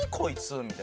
みたいな。